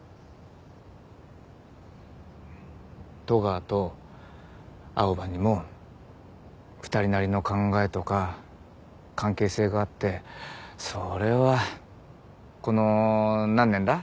戸川と青羽にも２人なりの考えとか関係性があってそれはこの何年だ？